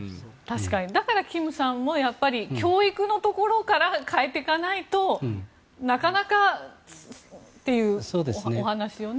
だからキムさんは教育のところから変えていかないとなかなかというお話をね。